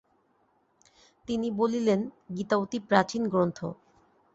তিনি বলিলেন গীতা অতি প্রাচীন গ্রন্থ।